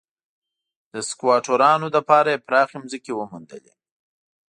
د سکواټورانو لپاره یې پراخې ځمکې وموندلې.